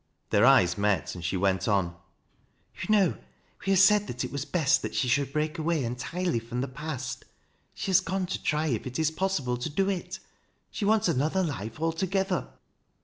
Their eyes met, and she went on :" Tou know we have said that it was best that she shoukl break away entirely from the past. She has gone to tr\ if it is possible to do it. She wants another life alto gether."